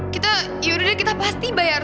kita yaudah deh kita pasti bayar